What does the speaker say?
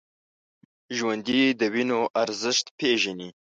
ژوندي د وینو ارزښت پېژني